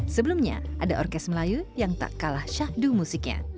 sebelumnya ada orkes melayu yang tak kalah syahdu musiknya